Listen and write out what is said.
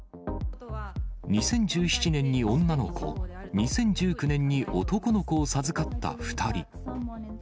２０１７年に女の子、２０１９年に男の子を授かった２人。